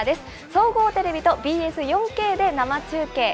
総合テレビとＢＳ４Ｋで生中継。